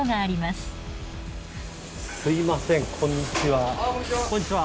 すいませんこんにちは。